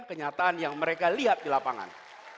kenyataan yang mereka lihat di lapangan